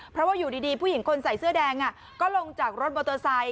เพราะว่าอยู่ดีผู้หญิงคนใส่เสื้อแดงก็ลงจากรถมอเตอร์ไซค